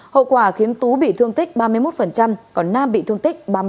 hậu quả khiến tú bị thương tích ba mươi một còn nam bị thương tích ba mươi